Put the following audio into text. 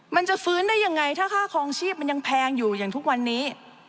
มันจะฟื้นได้ยังไงถ้าค่าคลองชีพมันยังแพงอยู่อย่างทุกวันนี้